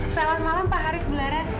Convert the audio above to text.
salam malam pak haris bulares